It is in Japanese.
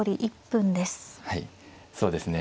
はいそうですね